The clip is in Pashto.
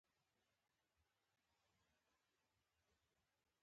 د هوساینې ترمنځ اړیکه زموږ د تیورۍ محور جوړوي.